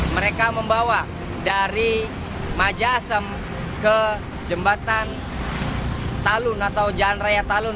mereka membawa dari majasem ke jembatan talun atau jalan raya talun